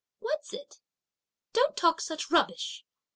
What's it?" "Don't talk such rubbish!"